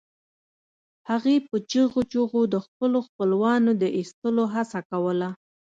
هغې په چیغو چیغو د خپلو خپلوانو د ایستلو هڅه کوله